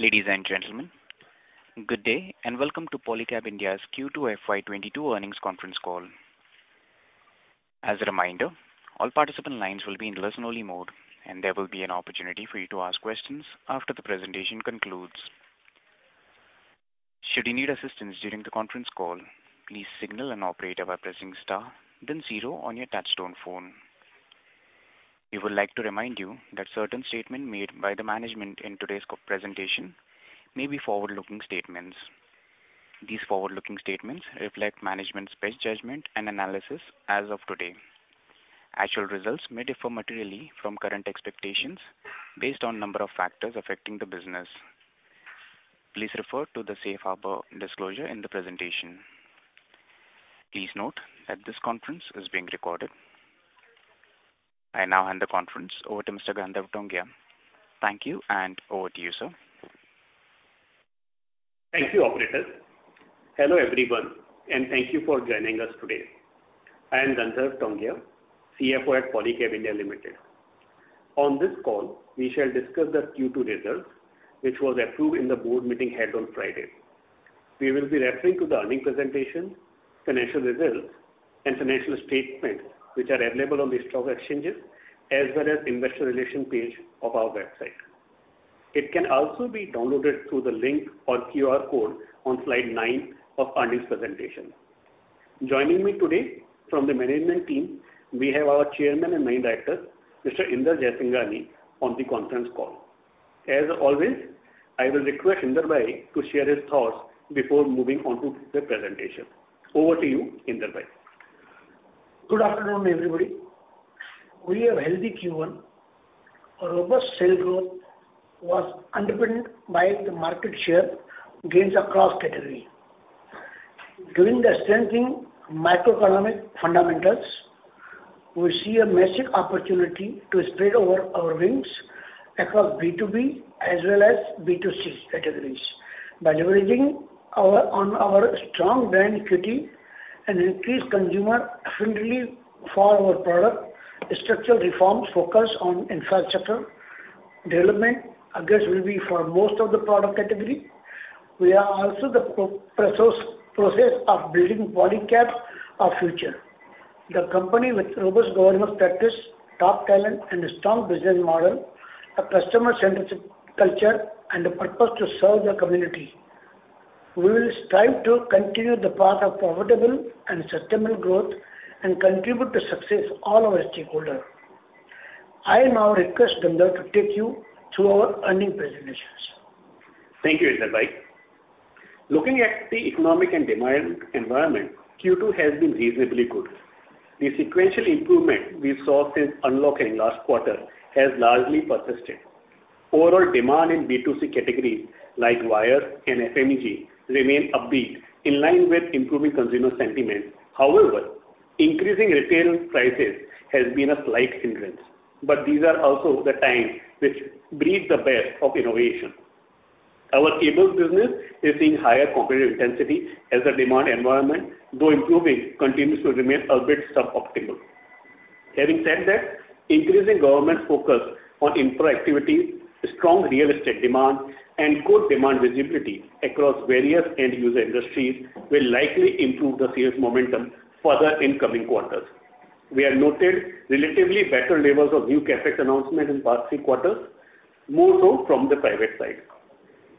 Ladies and gentlemen, good day and welcome to Polycab India's Q2 FY22 earnings conference call. As a reminder, all participant lines will be in listen-only mode, and there will be an opportunity for you to ask questions after the presentation concludes. Should you need assistance during the conference call, please signal an operator by pressing star then zero on your touchtone phone. We would like to remind you that certain statements made by the management in today's presentation may be forward-looking statements. These forward-looking statements reflect management's best judgment and analysis as of today. Actual results may differ materially from current expectations, based on number of factors affecting the business. Please refer to the safe harbor disclosure in the presentation. Please note that this conference is being recorded. I now hand the conference over to Mr. Gandharv Tongia. Thank you, and over to you, sir. Thank you, operator. Hello, everyone, and thank you for joining us today. I am Gandharv Tongia, CFO at Polycab India Limited. On this call, we shall discuss the Q2 results, which was approved in the board meeting held on Friday. We will be referring to the earnings presentation, financial results, and financial statements, which are available on the stock exchanges, as well as investor relation page of our website. It can also be downloaded through the link or QR code on slide nine of earnings presentation. Joining me today from the management team; we have our Chairman and Managing Director, Mr. Inder Jaisinghani, on the conference call. As always, I will request Inder bhai to share his thoughts before moving on to the presentation. Over to you, Inder bhai. Good afternoon, everybody. We have healthy Q1. A robust sales growth was underpinned by the market share gains across categories. Given the strengthening macroeconomic fundamentals, we see a massive opportunity to spread our wings across B2B as well as B2C categories. By leveraging on our strong brand equity and increased consumer affinity for our products, structural reforms focused on infrastructure development, I guess, will be for most of the product categories. We are also in the process of building Polycab of future, the company with robust governance practice, top talent, and a strong business model, a customer-centric culture, and a purpose to serve the community. We will strive to continue the path of profitable and sustainable growth and contribute to success all our stakeholders. I now request Gandharv to take you through our earnings presentations. Thank you, Inder bhai. Looking at the economic environment, Q2 has been reasonably good. The sequential improvement we saw since unlocking last quarter has largely persisted. Overall demand in B2C categories like wires and FMEG remain upbeat in line with improving consumer sentiment. Increasing retail prices has been a slight hindrance, but these are also the times which breed the best of innovation. Our cables business is seeing higher competitive intensity as the demand environment, though improving, continues to remain a bit suboptimal. Increasing government focus on infra activity, strong real estate demand, and good demand visibility across various end-user industries will likely improve the sales momentum further in coming quarters. We have noted relatively better levels of new CapEx announcement in past three quarters, more so from the private side.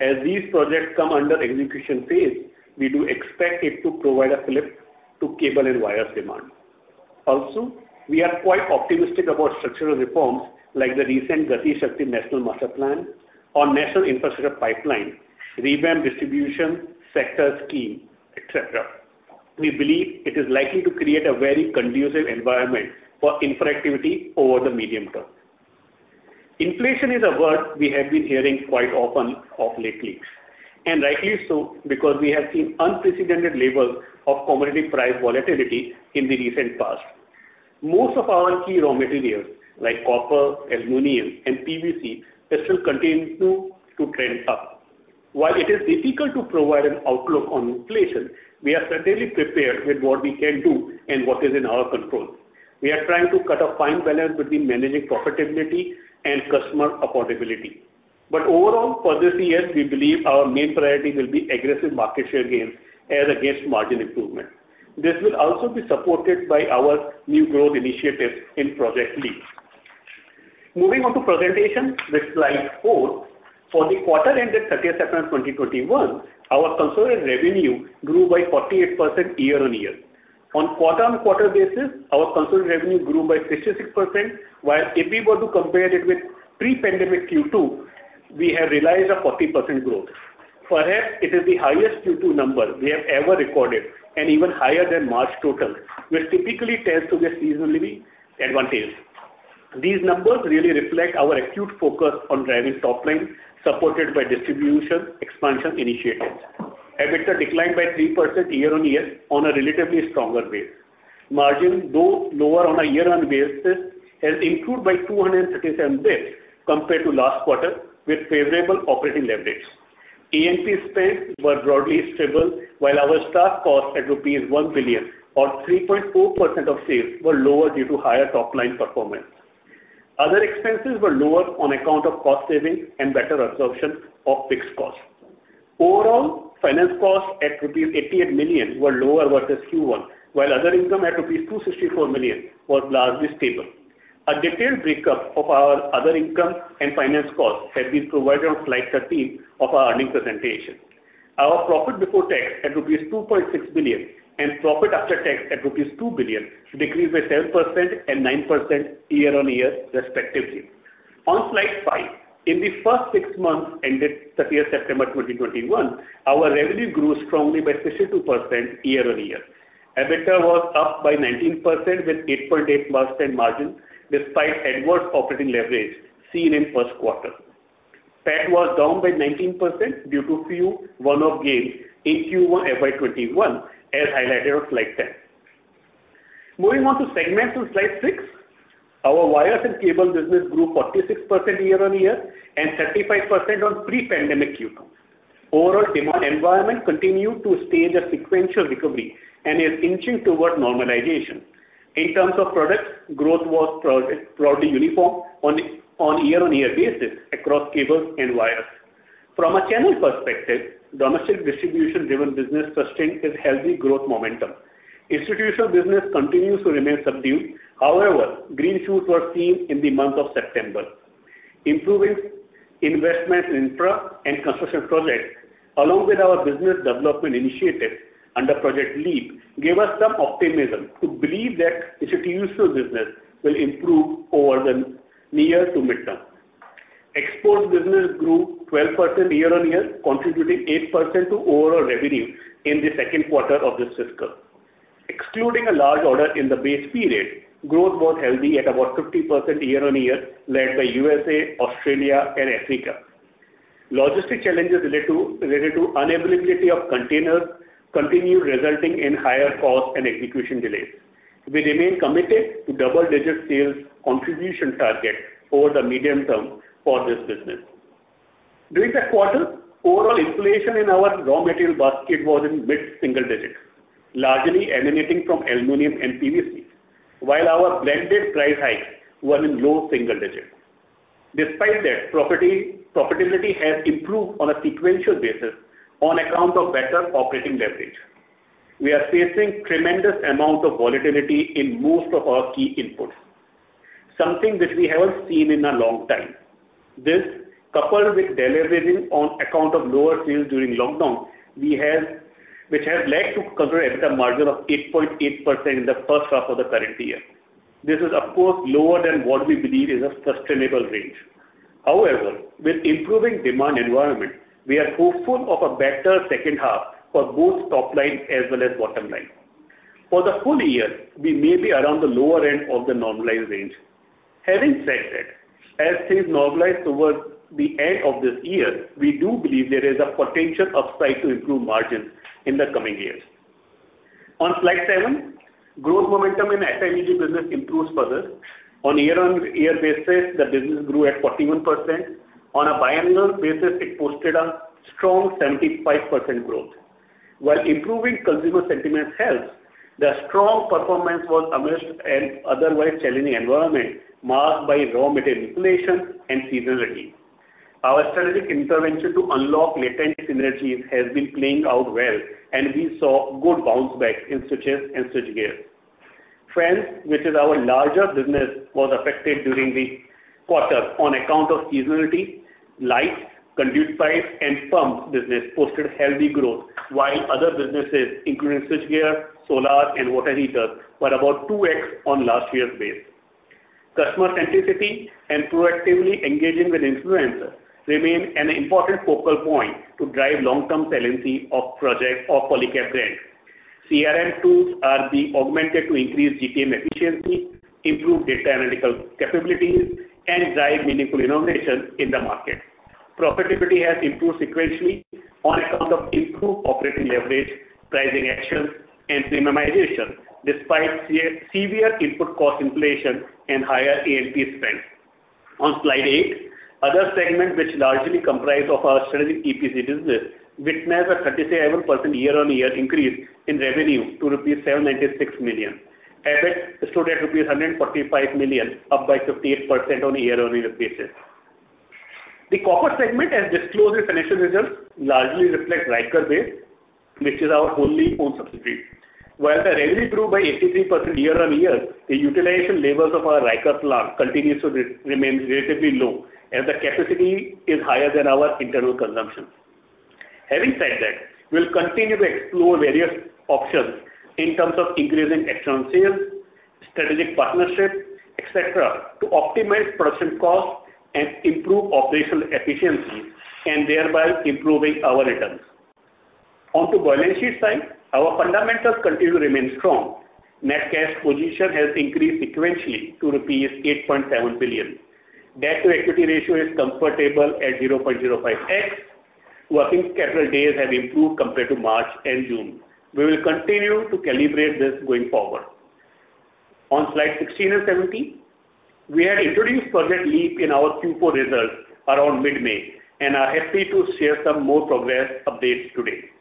As these projects come under execution phase, we do expect it to provide a fillip to cable and wires demand. We are quite optimistic about structural reforms like the recent GatiShakti National Master Plan or National Infrastructure Pipeline, Revamped Distribution Sector Scheme, et cetera. We believe it is likely to create a very conducive environment for infra activity over the medium term. Inflation is a word we have been hearing quite often of lately, and rightly so because we have seen unprecedented levels of commodity price volatility in the recent past. Most of our key raw materials, like copper, aluminum, and PVC, they still continue to trend up. While it is difficult to provide an outlook on inflation, we are certainly prepared with what we can do and what is in our control. We are trying to cut a fine balance between managing profitability and customer affordability. Overall, for this year, we believe our main priority will be aggressive market share gains as against margin improvement. This will also be supported by our new growth initiatives in Project LEAP. Moving on to presentation with slide four. For the quarter ended 30th September 2021, our consolidated revenue grew by 48% year-on-year. On quarter-on-quarter basis, our consolidated revenue grew by 36%, while if we were to compare it with pre-pandemic Q2, we have realized a 40% growth. Perhaps it is the highest Q2 number we have ever recorded, and even higher than March quarter, which typically tends to be seasonally advantaged. These numbers really reflect our acute focus on driving top line, supported by distribution expansion initiatives. EBITDA declined by 3% year-on-year on a relatively stronger base. Margin, though lower on a year-on basis, has improved by 237 basis points compared to last quarter with favorable operating leverage. A&P spends were broadly stable, while our staff costs at rupees 1 billion or 3.4% of sales were lower due to higher top-line performance. Other expenses were lower on account of cost savings and better absorption of fixed costs. Overall, finance costs at rupees 88 million were lower versus Q1, while other income at rupees 264 million was largely stable. A detailed breakup of our other income and finance costs has been provided on slide 13 of our earning presentation. Our profit before tax at rupees 2.6 billion and profit after tax at rupees 2 billion decreased by 7% and 9% year-on-year respectively. On slide five. In the first six months ended 30th September 2021, our revenue grew strongly by 52% year-on-year. EBITDA was up by 19% with 8.8% margin despite adverse operating leverage seen in the first quarter. PAT was down by 19% due to few one-off gains in Q1 FY21, as highlighted on slide 10. Moving on to segments on slide six. Our wires and cable business grew 46% year-on-year and 35% on pre-pandemic year. Overall demand environment continued to stay in the sequential recovery and is inching towards normalization. In terms of products, growth was broadly uniform on year-on-year basis across cables and wires. From a channel perspective, domestic distribution-driven business sustained its healthy growth momentum. Institutional business continues to remain subdued. However, green shoots were seen in the month of September. Improving investment in infra and construction projects along with our business development initiatives under Project LEAP, gave us some optimism to believe that institutional business will improve over the near to midterm. Export business grew 12% year-on-year, contributing 8% to overall revenue in the second quarter of this fiscal. Excluding a large order in the base period, growth was healthy at about 50% year-on-year, led by U.S., Australia, and Africa. Logistics challenges related to unavailability of containers continue resulting in higher cost and execution delays. We remain committed to double-digit sales contribution target over the medium term for this business. During the quarter, overall inflation in our raw material basket was in mid-single digits, largely emanating from aluminum and PVC, while our blended price hikes were in low single digits. Despite that, profitability has improved on a sequential basis on account of better operating leverage. We are facing tremendous amount of volatility in most of our key inputs, something which we haven't seen in a long time. This, coupled with deleveraging on account of lower sales during lockdown, which has led to consolidated EBITDA margin of 8.8% in the first half of the current year. This is, of course, lower than what we believe is a sustainable range. However, with improving demand environment, we are hopeful of a better second half for both top line as well as bottom line. For the full year, we may be around the lower end of the normalized range. Having said that, as things normalize towards the end of this year, we do believe there is a potential upside to improve margins in the coming years. On slide seven, growth momentum in FMEG business improves further. On a year-on-year basis, the business grew at 41%. On a biannual basis, it posted a strong 75% growth. While improving consumer sentiment helps, their strong performance was amidst an otherwise challenging environment marked by raw material inflation and seasonality. Our strategic intervention to unlock latent synergies has been playing out well, and we saw good bounce back in switches and switchgear. Fans, which is our larger business, was affected during the quarter on account of seasonality. Lights, conduit pipes, and pumps business posted healthy growth, while other businesses, including switchgear, solar, and water heaters, were about 2X on last year's base. Customer centricity and proactively engaging with influencers remain an important focal point to drive long-term relevancy of Polycab brands. CRM tools are being augmented to increase GTM efficiency, improve data analytical capabilities, and drive meaningful innovation in the market. Profitability has improved sequentially on account of improved operating leverage, pricing actions, and premiumization despite severe input cost inflation and higher A&P spend. On slide eight, other segments, which largely comprise of our strategic EPC business, witnessed a 37% year-on-year increase in revenue to rupees 796 million. EBIT stood at rupees 145 million, up by 58% on a year-on-year basis. The copper segment as disclosed in financial results largely reflects Ryker Base, which is our wholly-owned subsidiary. While the revenue grew by 83% year-on-year, the utilization levels of our Ryker plant continues to remain relatively low as the capacity is higher than our internal consumption. Having said that, we'll continue to explore various options in terms of increasing external sales, strategic partnerships, et cetera, to optimize production costs and improve operational efficiency and thereby improving our returns. Onto balance sheet side, our fundamentals continue to remain strong. Net cash position has increased sequentially to rupees 8.7 billion. The debt-to-equity ratio is comfortable at 0.05x. Working capital days have improved compared to March and June. We will continue to calibrate this going forward. On slide 16 and 17, we had introduced Project LEAP in our Q4 results around mid-May, and are happy to share some more progress updates today.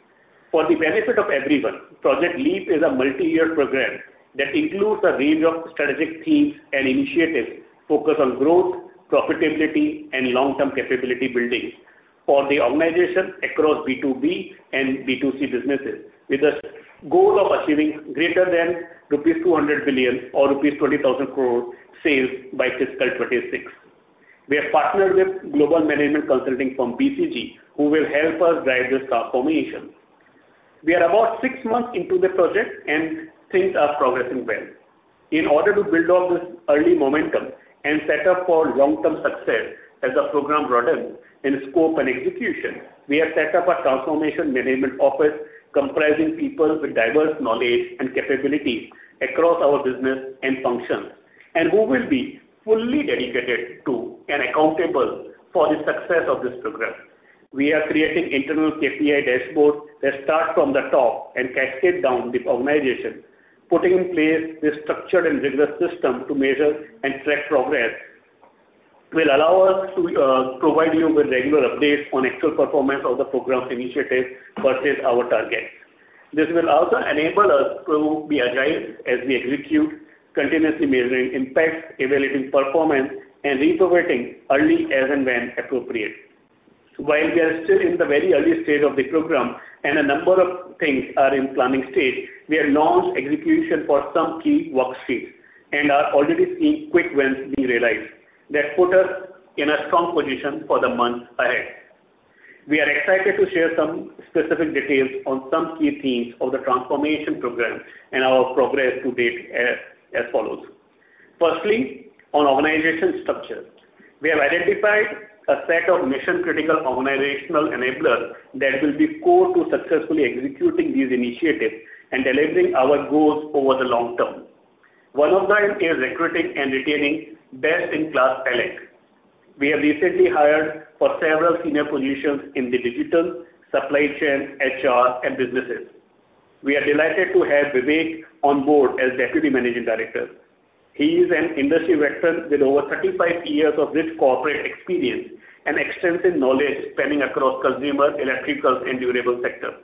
For the benefit of everyone, Project LEAP is a multi-year program that includes a range of strategic themes and initiatives focused on growth, profitability, and long-term capability building for the organization across B2B and B2C businesses, with a goal of achieving greater than rupees 200 billion or rupees 20,000 crore sales by FY26. We have partnered with global management consulting firm BCG, who will help us drive this transformation. We are about six months into the project and things are progressing well. In order to build on this early momentum and set up for long-term success as the program broadens in scope and execution, we have set up a transformation management office comprising people with diverse knowledge and capabilities across our business and functions, and who will be fully dedicated to and accountable for the success of this program. We are creating internal KPI dashboards that start from the top and cascade down the organization. Putting in place this structured and rigorous system to measure and track progress will allow us to provide you with regular updates on actual performance of the program's initiatives versus our targets. This will also enable us to be agile as we execute, continuously measuring impact, evaluating performance, and reprioritizing early as and when appropriate. While we are still in the very early stage of the program and a number of things are in planning stage, we have launched execution for some key workstreams and are already seeing quick wins being realized that put us in a strong position for the months ahead. We are excited to share some specific details on some key themes of the transformation program and our progress to date as follows. Firstly, on organization structure. We have identified a set of mission-critical organizational enablers that will be core to successfully executing these initiatives and delivering our goals over the long term. One of them is recruiting and retaining best-in-class talent. We have recently hired for several senior positions in the digital, supply chain, HR, and businesses. We are delighted to have Vivek on board as Deputy Managing Director. He is an industry veteran with over 35 years of rich corporate experience and extensive knowledge spanning across consumer, electrical, and durable sectors.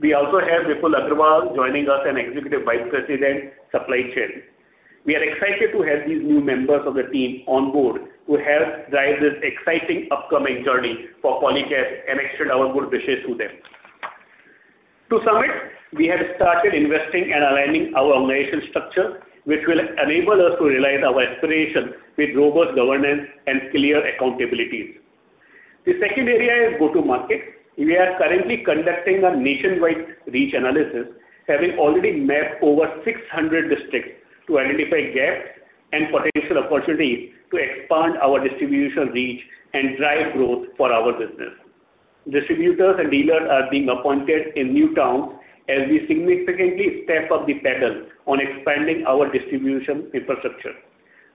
We also have Vipul Aggarwal joining us as Executive Vice President, Supply Chain. We are excited to have these new members of the team on board to help drive this exciting upcoming journey for Polycab, and extend our good wishes to them. To sum it, we have started investing and aligning our organization structure, which will enable us to realize our aspirations with robust governance and clear accountabilities. The second area is Go-To-Market. We are currently conducting a nationwide reach analysis, having already mapped over 600 districts to identify gaps and potential opportunities to expand our distribution reach and drive growth for our business. Distributors and dealers are being appointed in new towns as we significantly step up the pedal on expanding our distribution infrastructure.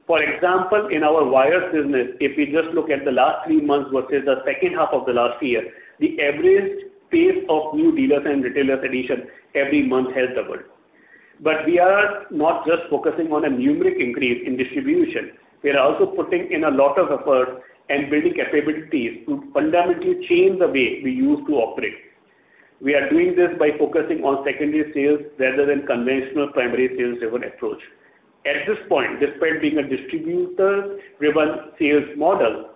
For example, in our wires business, if we just look at the last three months versus the second half of the last year, the average pace of new dealers and retailers addition every month has doubled. We are not just focusing on a numeric increase in distribution. We are also putting in a lot of effort and building capabilities to fundamentally change the way we used to operate. We are doing this by focusing on secondary sales rather than conventional primary sales-driven approach. At this point, despite being a distributor-driven sales model,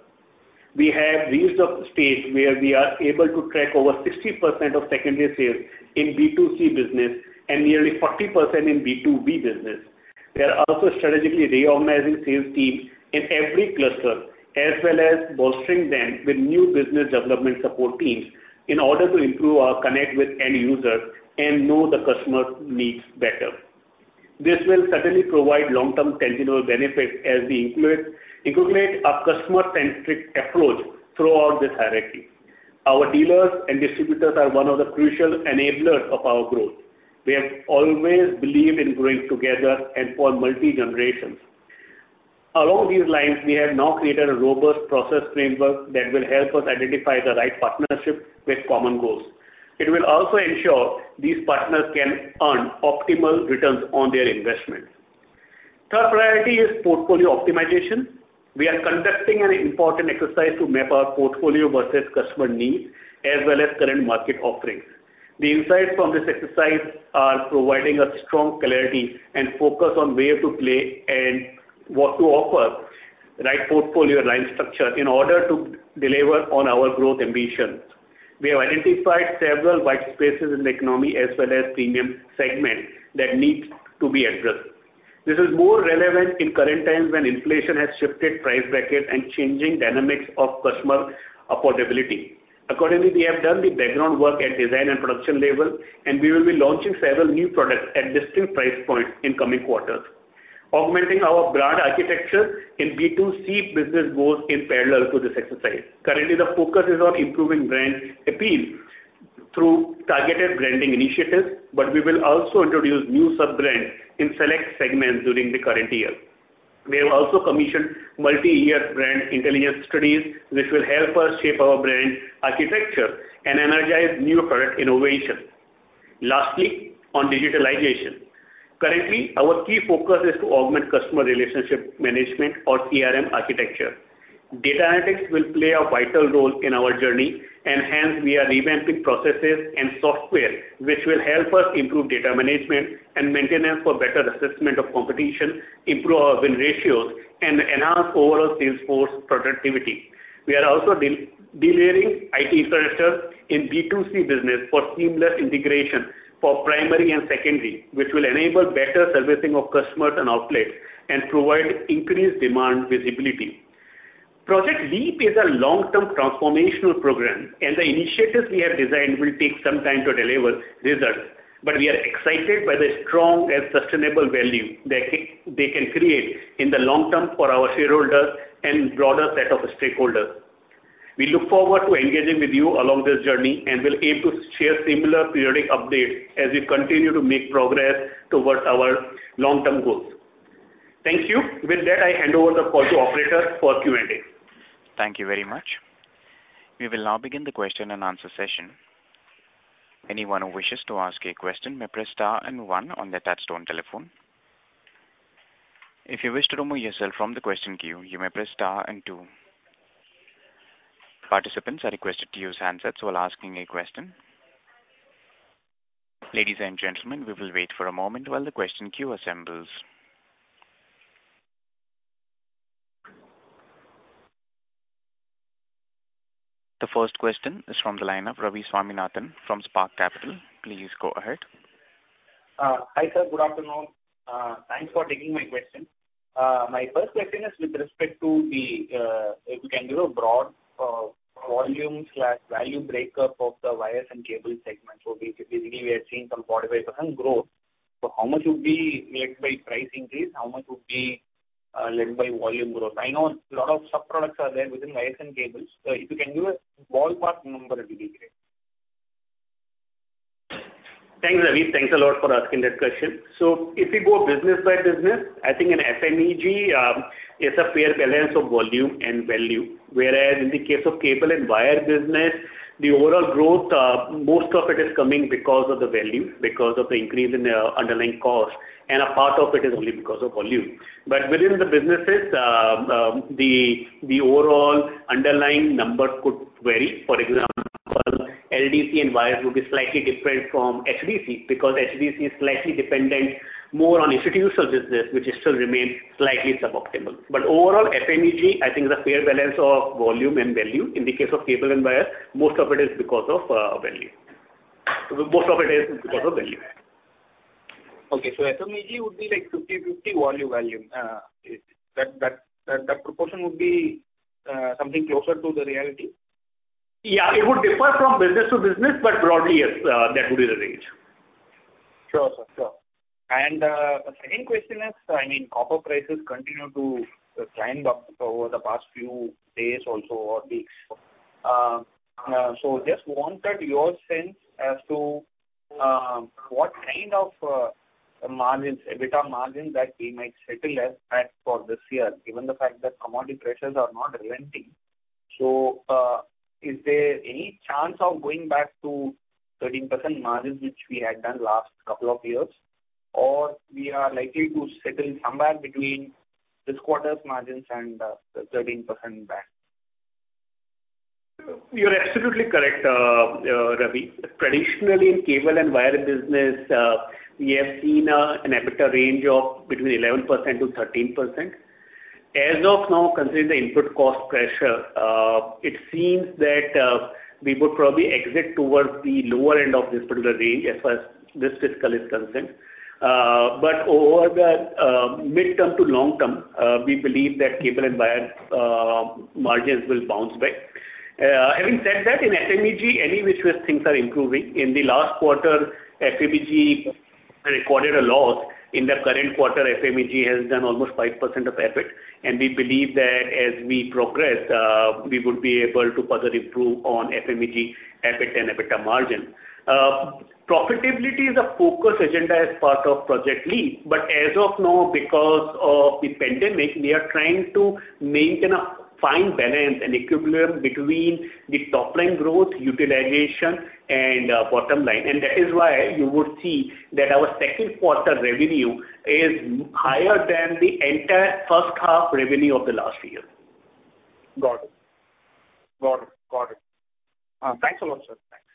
we have reached a stage where we are able to track over 60% of secondary sales in B2C business and nearly 40% in B2B business. We are also strategically reorganizing sales teams in every cluster, as well as bolstering them with new business development support teams in order to improve our connect with end users and know the customer needs better. This will certainly provide long-term tangible benefits as we incorporate a customer-centric approach throughout this hierarchy. Our dealers and distributors are one of the crucial enablers of our growth. We have always believed in growing together and for multi-generations. Along these lines, we have now created a robust process framework that will help us identify the right partnerships with common goals. It will also ensure these partners can earn optimal returns on their investments. Third priority is portfolio optimization. We are conducting an important exercise to map our portfolio versus customer needs, as well as current market offerings. The insights from this exercise are providing a strong clarity and focus on where to play and what to offer, right portfolio and line structure in order to deliver on our growth ambitions. We have identified several white spaces in the economy as well as premium segments that need to be addressed. This is more relevant in current times when inflation has shifted price brackets and changing dynamics of customer affordability. Accordingly, we have done the background work at design and production level, and we will be launching several new products at distinct price points in coming quarters. Augmenting our brand architecture in B2C business goes in parallel to this exercise. Currently, the focus is on improving brand appeal through targeted branding initiatives, but we will also introduce new sub-brands in select segments during the current year. We have also commissioned multi-year brand intelligence studies, which will help us shape our brand architecture and energize new product innovation. Lastly, on digitalization. Currently, our key focus is to augment customer relationship management or CRM architecture. Data analytics will play a vital role in our journey, and hence we are revamping processes and software, which will help us improve data management and maintenance for better assessment of competition, improve our win ratios, and enhance overall sales force productivity. We are also delivering IT infrastructure in B2C business for seamless integration for primary and secondary, which will enable better servicing of customers and outlets and provide increased demand visibility. Project LEAP is a long-term transformational program, and the initiatives we have designed will take some time to deliver results. We are excited by the strong and sustainable value that they can create in the long term for our shareholders and broader set of stakeholders. We look forward to engaging with you along this journey, and will aim to share similar periodic updates as we continue to make progress towards our long-term goals. Thank you. With that, I hand over the call to operator for Q&A. Thank you very much. We will now begin the question and answer session. Anyone who wishes to ask a question may press star and one on their touch-tone telephone. If you wish to remove yourself from the question queue, you may press star and two. Participants are requested to use handsets while asking a question. Ladies and gentlemen, we will wait for a moment while the question queue assembles. The first question is from the line of Ravi Swaminathan from Spark Capital. Please go ahead. Hi, sir. Good afternoon. Thanks for taking my question. My first question is with respect to if you can give a broad volume/value breakup of the wires and cable segment. Basically, we are seeing some 45% growth. How much would be led by price increase? How much would be led by volume growth? I know a lot of sub-products are there within wires and cables. If you can give a ballpark number, it'll be great. Thanks, Ravi. Thanks a lot for asking that question. If we go business by business, I think in FMEG, it's a fair balance of volume and value. Whereas in the case of cable and wire business, the overall growth, most of it is coming because of the value, because of the increase in the underlying cost, and a part of it is only because of volume. Within the businesses, the overall underlying number could vary. For example, LDC and wires would be slightly different from HVC, because HVC is slightly dependent more on institutional business, which still remains slightly suboptimal. Overall, FMEG, I think, is a fair balance of volume and value. In the case of cable and wires, most of it is because of value. Most of it is because of value. Okay. FMEG would be 50/50 volume. That proportion would be something closer to the reality? Yeah, it would differ from business to business, but broadly, yes, that would be the range. Sure, sir. The second question is, copper prices continue to climb up over the past few days also, or weeks. Just wanted your sense as to what kind of EBITDA margins that we might settle at for this year, given the fact that commodity pressures are not relenting. Is there any chance of going back to 13% margins, which we had done last couple of years? We are likely to settle somewhere between this quarter's margins and the 13% back? You're absolutely correct, Ravi. Traditionally, in cable and wire business, we have seen an EBITDA range of between 11%-13%. As of now, considering the input cost pressure, it seems that we would probably exit towards the lower end of this particular range as far as this fiscal is concerned. Over the midterm to long term, we believe that cable and wire margins will bounce back. Having said that, in FMEG, anyway, things are improving. In the last quarter, FMEG recorded a loss. In the current quarter, FMEG has done almost 5% of EBIT, and we believe that as we progress, we would be able to further improve on FMEG EBIT and EBITDA margin. Profitability is a focus agenda as part of Project LEAP, but as of now, because of the pandemic, we are trying to maintain a fine balance and equilibrium between the top-line growth utilization and bottom line. That is why you would see that our second quarter revenue is higher than the entire first half revenue of the last year. Got it. Thanks a lot, sir. Thanks.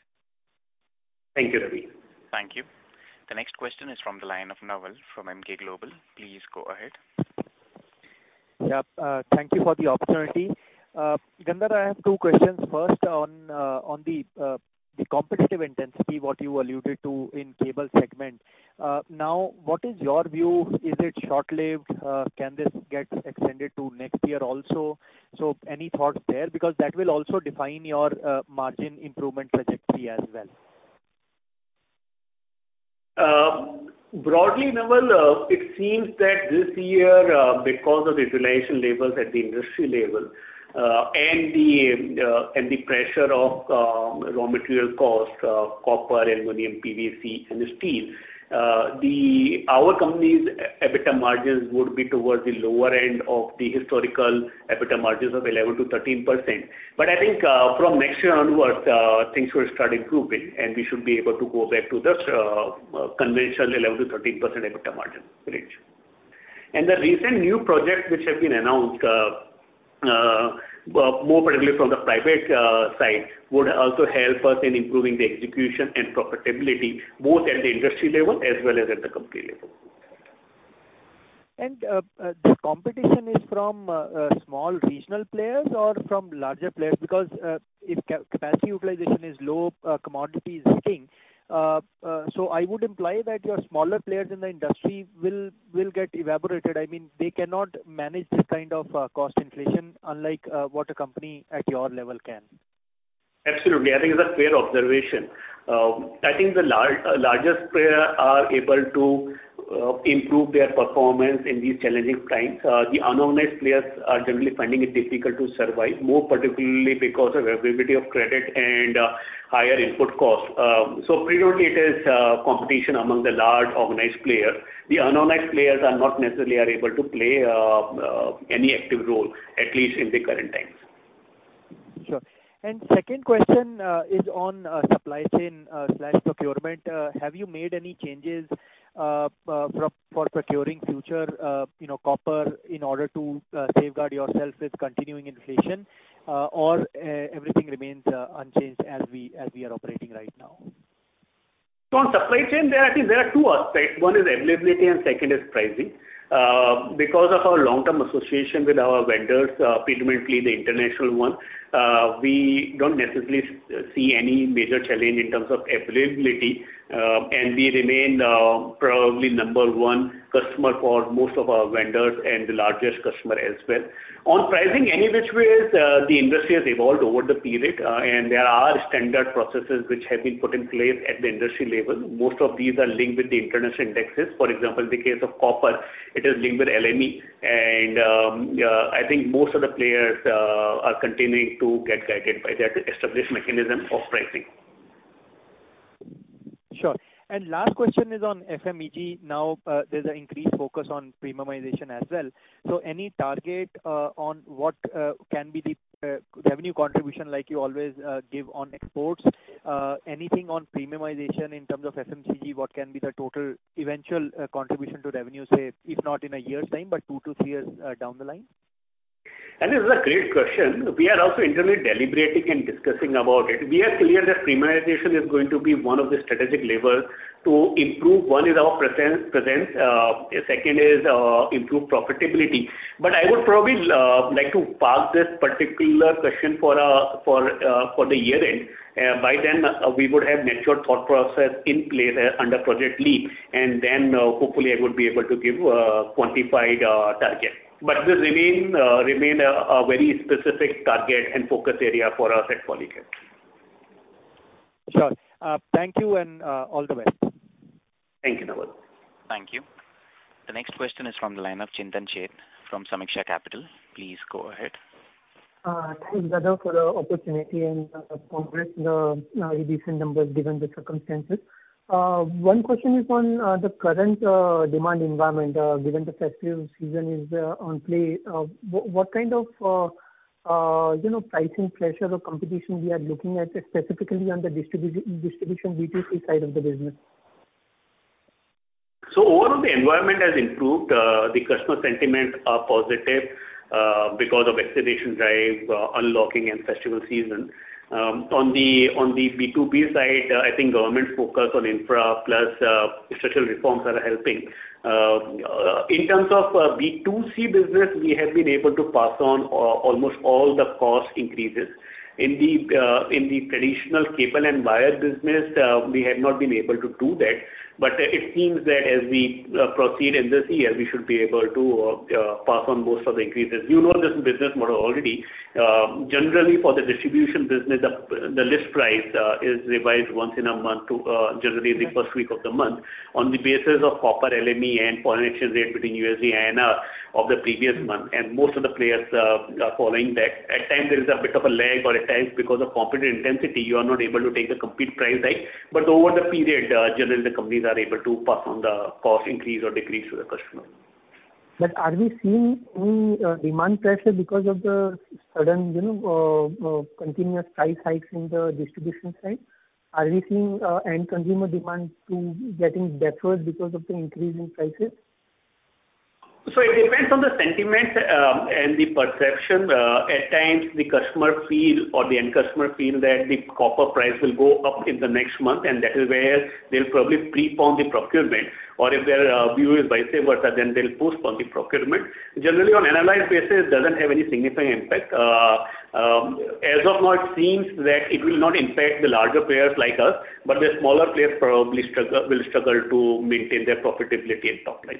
Thank you, Ravi. Thank you. The next question is from the line of Naval from Emkay Global. Please go ahead. Yeah, thank you for the opportunity. Gandharv, I have two questions. First, on the competitive intensity, what you alluded to in cable segment. What is your view? Is it short-lived? Can this get extended to next year also? Any thoughts there? Because that will also define your margin improvement trajectory as well. Broadly, Naval, it seems that this year, because of the utilization levels at the industry level, and the pressure of raw material cost, copper, aluminum, PVC, and steel. Our company's EBITDA margins would be towards the lower end of the historical EBITDA margins of 11%-13%. I think from next year onwards, things will start improving, and we should be able to go back to the conventional 11%-13% EBITDA margin range. The recent new projects which have been announced, more particularly from the private side, would also help us in improving the execution and profitability, both at the industry level as well as at the company level. The competition is from small regional players or from larger players? If capacity utilization is low, commodity is hitting. I would imply that your smaller players in the industry will get evaporated. I mean, they cannot manage this kind of cost inflation, unlike what a company at your level can. Absolutely. I think it's a fair observation. I think the largest players are able to improve their performance in these challenging times. The unorganized players are generally finding it difficult to survive, more particularly because of availability of credit and higher input costs. Predominantly, it is competition among the large organized players. The unorganized players are not necessarily able to play any active role, at least in the current times. Sure. Second question is on supply chain/procurement. Have you made any changes for procuring future copper in order to safeguard yourself with continuing inflation, or everything remains unchanged as we are operating right now? On supply chain, I think there are two aspects. One is availability, and second is pricing. Because of our long-term association with our vendors, predominantly the international ones, we don't necessarily see any major challenge in terms of availability. We remain probably number one customer for most of our vendors and the largest customer as well. On pricing, any which ways, the industry has evolved over the period, and there are standard processes which have been put in place at the industry level. Most of these are linked with the international indexes. For example, in the case of copper, it is linked with LME and I think most of the players are continuing to get guided by that established mechanism of pricing. Sure. Last question is on FMEG. Now there's an increased focus on premiumization as well. Any target on what can be the revenue contribution like you always give on exports? Anything on premiumization in terms of FMEG, what can be the total eventual contribution to revenue, say if not in a year's time, but 2-3 years down the line? This is a great question. We are also internally deliberating and discussing about it. We are clear that premiumization is going to be one of the strategic levers to improve, one is our presence, second is improve profitability. I would probably like to park this particular question for the year-end. By then, we would have matured thought process in place under Project LEAP, and then hopefully I would be able to give a quantified target. This remain a very specific target and focus area for us at Polycab. Sure. Thank you and all the best. Thank you, Naval. Thank you. The next question is from the line of Chintan Sheth from Sameeksha Capital. Please go ahead. Thanks a lot for the opportunity, and congrats on the recent numbers given the circumstances. One question is on the current demand environment, given the festive season is on play. What kind of pricing pressure or competition we are looking at, specifically on the distribution B2C side of the business? Overall, the environment has improved. The customer sentiments are positive because of vaccination drive, unlocking and festival season. On the B2B side, I think government focus on infra plus structural reforms are helping. In terms of B2C business, we have been able to pass on almost all the cost increases. In the traditional cable and wire business, we had not been able to do that, but it seems that as we proceed in this year, we should be able to pass on most of the increases. You know this business model already. Generally, for the distribution business, the list price is revised once in a month, to generally the first week of the month on the basis of copper LME and foreign exchange rate between USD and of the previous month. Most of the players are following that. At times, there is a bit of a lag or at times, because of competitive intensity, you are not able to take the complete price hike, but over the period, generally, the companies are able to pass on the cost increase or decrease to the customer. Are we seeing any demand pressure because of the sudden continuous price hikes in the distribution side? Are we seeing end consumer demand getting depressed because of the increase in prices? It depends on the sentiment and the perception. At times, the customer feel or the end customer feel that the copper price will go up in the next month, and that is where they'll probably pre-pone the procurement or if their view is vice versa, then they'll postpone the procurement. Generally, on analyzed basis, it doesn't have any significant impact. As of now, it seems that it will not impact the larger players like us, but the smaller players probably will struggle to maintain their profitability and top line.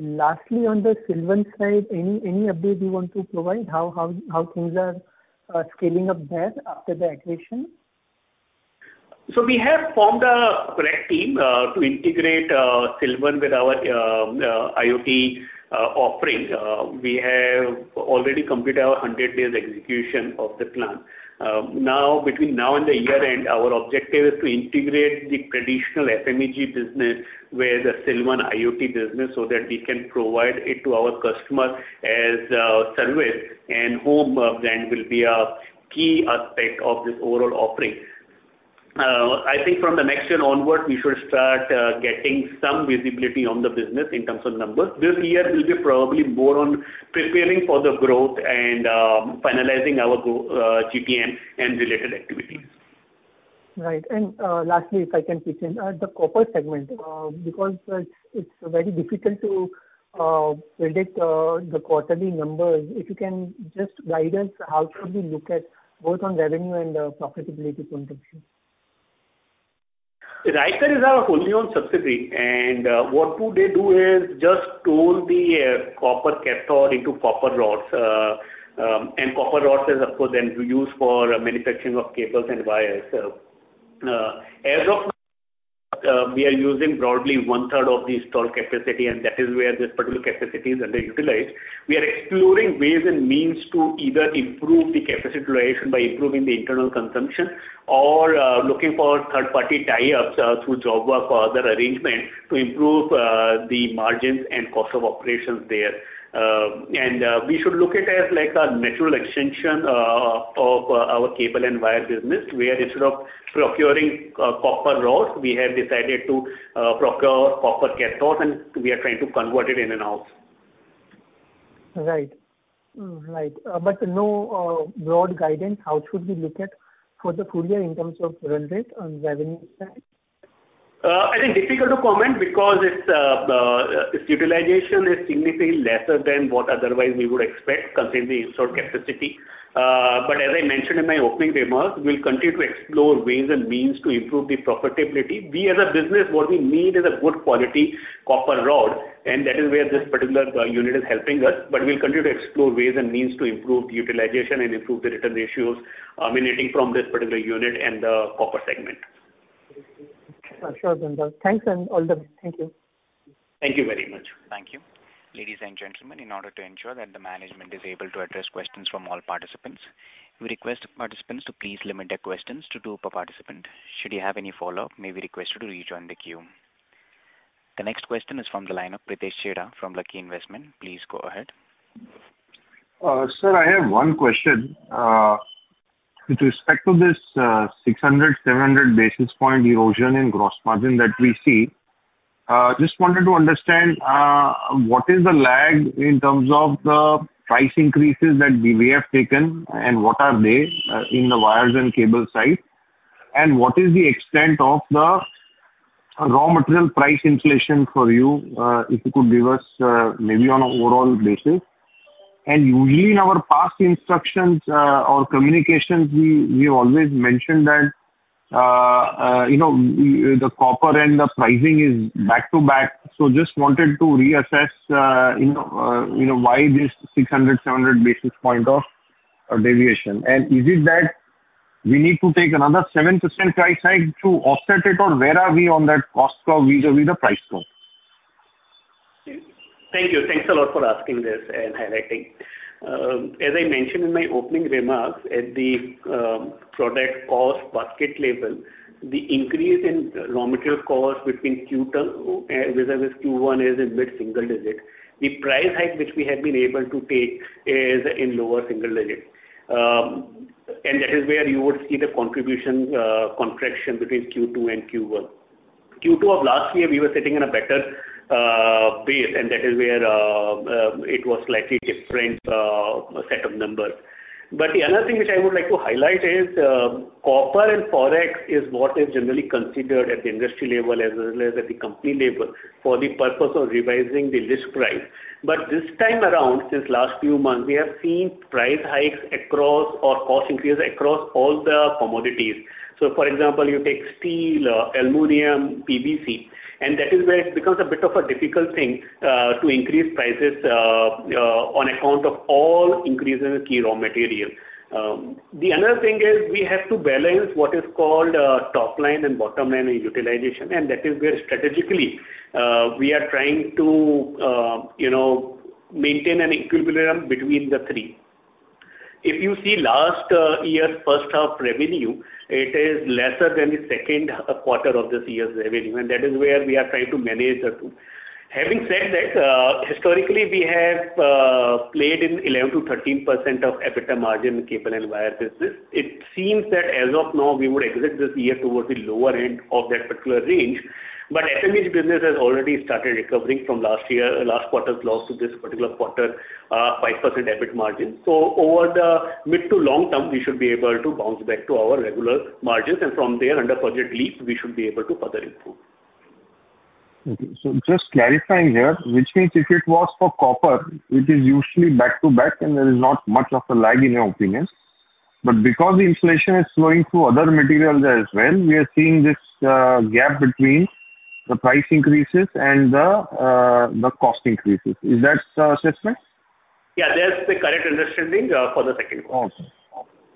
Lastly, on the Silvan side, any update you want to provide how things are scaling up there after the acquisition? We have formed a core team to integrate Silvan with our IoT offering. We have already completed our 100-day execution of the plan. Between now and the year-end, our objective is to integrate the traditional FMEG business with the Silvan IoT business so that we can provide it to our customers as a service, and Hohm then will be a key aspect of this overall offering. I think from next year onward, we should start getting some visibility on the business in terms of numbers. This year will be probably more on preparing for the growth and finalizing our GTM and related activities. Right. Lastly, if I can pitch in. The copper segment, because it is very difficult to predict the quarterly numbers, if you can just guide us, how should we look at both on revenue and profitability point of view? Ryker is our fully owned subsidiary, and what they do is just turn the copper cathode into copper rods. Copper rods is, of course, then used for manufacturing of cables and wires. As of we are using probably one-third of the installed capacity, and that is where this particular capacity is underutilized. We are exploring ways and means to either improve the capacity utilization by improving the internal consumption or looking for third-party tie-ups through joint work or other arrangements to improve the margins and cost of operations there. We should look at it as a natural extension of our cable and wire business, where instead of procuring copper rods, we have decided to procure copper cathodes, and we are trying to convert it in-house. Right. No broad guidance, how should we look at it for the full year in terms of run rate on revenue side? I think difficult to comment because its utilization is significantly lesser than what otherwise we would expect considering the installed capacity. As I mentioned in my opening remarks, we'll continue to explore ways and means to improve the profitability. We as a business, what we need is a good quality copper rod, and that is where this particular unit is helping us. We'll continue to explore ways and means to improve the utilization and improve the return ratios emanating from this particular unit and the copper segment. Sure thing. Thanks and all the best. Thank you. Thank you very much. Thank you. Ladies and gentlemen, in order to ensure that the management is able to address questions from all participants, we request participants to please limit their questions to two per participant. Should you have any follow-up, you may be requested to rejoin the queue. The next question is from the line of [Pritesh Chheda] from Lucky Investment. Please go ahead. Sir, I have one question. With respect to this 600, 700 basis point erosion in gross margin that we see, just wanted to understand what is the lag in terms of the price increases that may have taken, and what are they in the wires and cable side? What is the extent of the raw material price inflation for you, if you could give us maybe on an overall basis? Usually, in our past instructions or communications, we have always mentioned that the copper and the pricing is back to back, just wanted to reassess why this 600, 700 basis point of deviation. Is it that we need to take another 7% price hike to offset it, or where are we on that cost curve vis-à-vis the price curve? Thank you. Thanks a lot for asking this and highlighting. As I mentioned in my opening remarks, at the product cost basket level, the increase in raw material cost between Q2 vis-à-vis Q1 is in mid-single digit. The price hike which we have been able to take is in lower single digit. That is where you would see the contribution contraction between Q2 and Q1. Q2 of last year, we were sitting in a better place, and that is where it was a slightly different set of numbers. The other thing which I would like to highlight is copper and forex is what is generally considered at the industry level as well as at the company level for the purpose of revising the list price. This time around, since last few months, we have seen price hikes across or cost increase across all the commodities. For example, you take steel, aluminum, PVC, and that is where it becomes a bit of a difficult thing to increase prices on account of all increases in key raw material. The other thing is we have to balance what is called top-line and bottom-line utilization, and that is where strategically we are trying to maintain an equilibrium between the three. If you see last year's first half revenue, it is lesser than the second quarter of this year's revenue, and that is where we are trying to manage the two. Having said that, historically, we have played in 11%-13% of EBITDA margin in cable and wire business. It seems that as of now, we would exit this year towards the lower end of that particular range. FMEG business has already started recovering from last quarter's loss to this particular quarter, 5% EBIT margin. Over the mid to long term, we should be able to bounce back to our regular margins. From there, under Project LEAP, we should be able to further improve. Okay. Just clarifying here, which means if it was for copper, it is usually back-to-back, and there is not much of a lag in your opinion. Because the inflation is flowing through other materials as well, we are seeing this gap between the price increases and the cost increases. Is that the assessment? Yeah, that's the correct understanding for the second quarter. Awesome.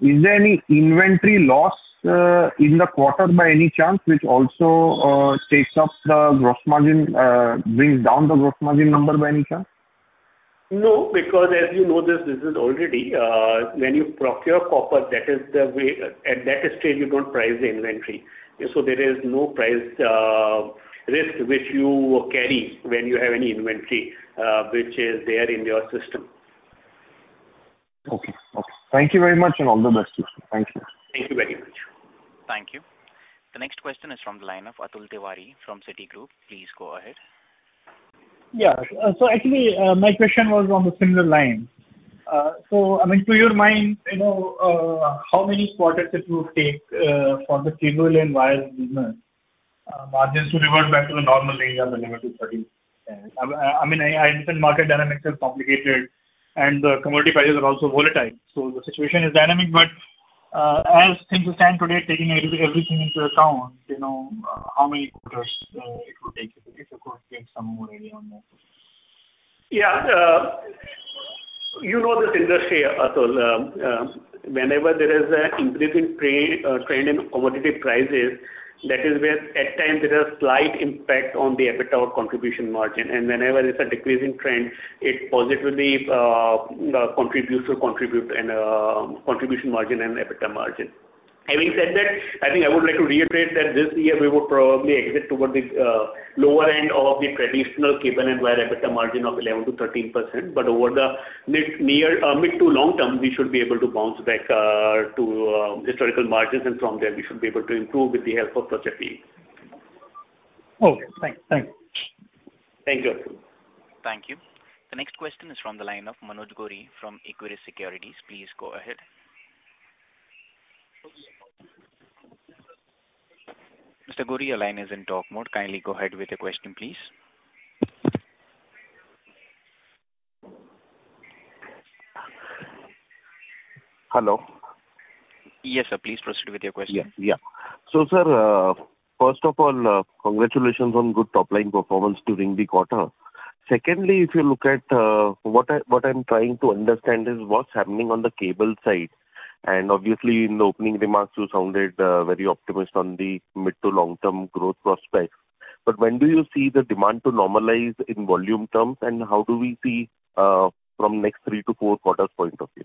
Is there any inventory loss in the quarter by any chance, which also takes up the gross margin, brings down the gross margin number by any chance? No, as you know, this is already, when you procure copper, at that stage you don't price the inventory. There is no price risk which you carry when you have any inventory which is there in your system. Okay. Thank you very much, and all the best to you. Thank you. Thank you very much. Thank you. The next question is from the line of Atul Tiwari from Citigroup. Please go ahead. Yeah. Actually, my question was on a similar line. To your mind, how many quarters it would take for the cable and wire business margins to revert back to the normal range of 11%-13%? I understand market dynamics is complicated, and the commodity prices are also volatile. The situation is dynamic, but as things stand today, taking everything into account, how many quarters it would take if you could give some area on that? Yeah. You know this industry, Atul. Whenever there is an increasing trend in commodity prices, that is where at times there is a slight impact on the EBITDA contribution margin. Whenever there's a decreasing trend, it positively contributes to contribution margin and EBITDA margin. Having said that, I think I would like to reiterate that this year we would probably exit towards the lower end of the traditional cable and wire EBITDA margin of 11%-13%. Over the mid to long term, we should be able to bounce back to historical margins, and from there, we should be able to improve with the help of Project LEAP. Okay. Thanks. Thank you, Atul. Thank you. The next question is from the line of Manoj Gori from Equirus Securities. Please go ahead. Mr. Gori, your line is in talk mode. Kindly go ahead with your question, please. Hello. Yes, sir. Please proceed with your question. Yeah. Sir, first of all, congratulations on good top-line performance during the quarter. Secondly, what I'm trying to understand is what's happening on the cable side. Obviously, in the opening remarks, you sounded very optimistic on the mid to long-term growth prospects. When do you see the demand to normalize in volume terms, and how do we see from next three to four quarters point of view?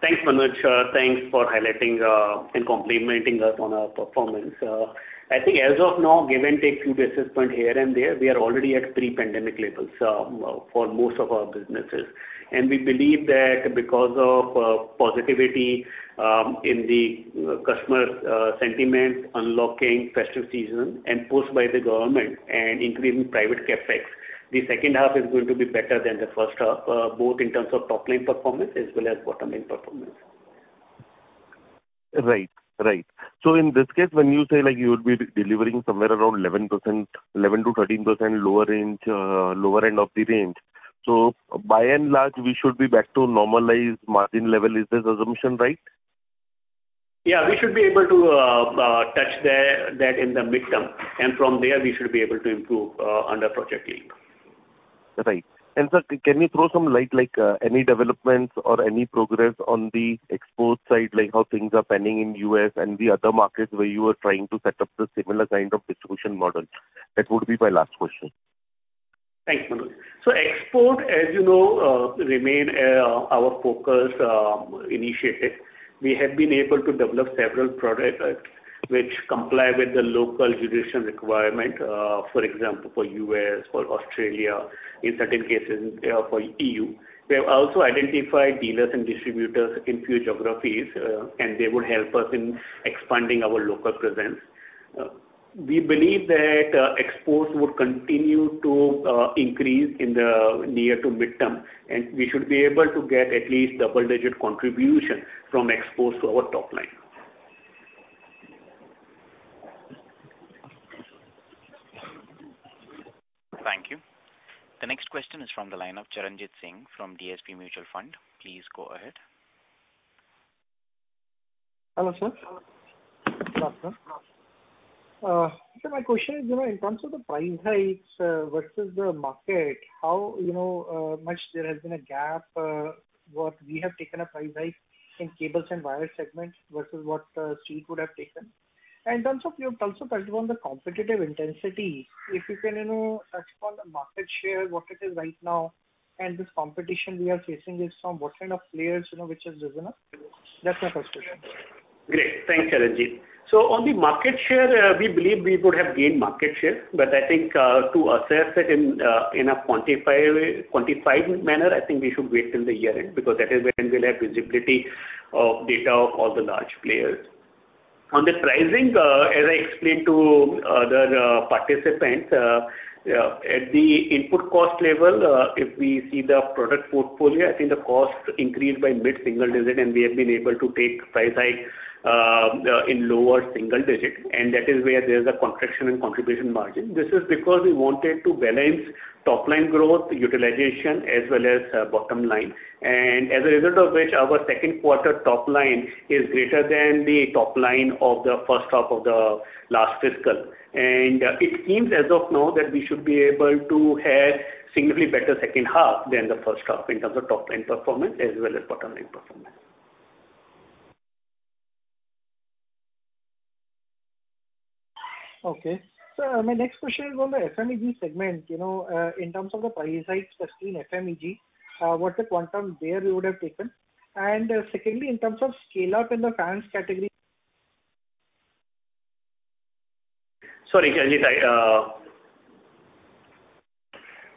Thanks, Manoj. Thanks for highlighting and complimenting us on our performance. We believe that as of now, give and take few basis points here and there, we are already at pre-pandemic levels for most of our businesses. And we believe that because of positivity in the customer sentiment, unlocking festive season, and push by the government, and increase in private CapEx, the second half is going to be better than the first half, both in terms of top-line performance as well as bottom-line performance. Right. In this case, when you say you would be delivering somewhere around 11%-13% lower end of the range, so by and large, we should be back to normalized margin level. Is this assumption right? Yeah, we should be able to touch that in the midterm. From there, we should be able to improve under Project LEAP. Right. Sir, can you throw some light, like any developments or any progress on the export side, like how things are panning in U.S. and the other markets where you are trying to set up the similar kind of distribution model? That would be my last question. Thanks, Manoj. Exports, as you know, remain our focus initiative. We have been able to develop several products which comply with the local jurisdiction requirements. For example, for U.S., for Australia, in certain cases for EU. We have also identified dealers and distributors in few geographies, and they would help us in expanding our local presence. We believe that exports would continue to increase in the near to midterm, and we should be able to get at least double-digit contribution from exports to our top line. Thank you. The next question is from the line of Charanjit Singh from DSP Mutual Fund. Please go ahead. Hello, sir. Sir, my question is, in terms of the price hikes versus the market, how much there has been a gap, what we have taken a price hike in cables and wire segments versus what street would have taken? In terms of you also touched upon the competitive intensity, if you can touch upon the market share, what it is right now, and this competition we are facing is from what kind of players, which has risen up? That's my first question. Great. Thanks, Charanjit. On the market share, we believe we would have gained market share. But I think to assess it in a quantified manner, I think we should wait till the year end, because that is when we'll have visibility of data of all the large players. On the pricing, as I explained to other participants, at the input cost level, if we see the product portfolio, I think the cost increased by mid-single digit, and we have been able to take price hike in lower single digit. That is where there's a contraction in contribution margin. This is because we wanted to balance top-line growth utilization as well as bottom-line. As a result of which, our second quarter top line is greater than the top-line of the first half of the last fiscal. It seems as of now that we should be able to have significantly better second half than the first half in terms of top-line performance as well as bottom-line performance. Okay. Sir, my next question is on the FMEG segment, in terms of the price hike, especially in FMEG, what's the quantum there you would have taken? And secondly, in terms of scale-up in the fans category. Sorry, Charanjit.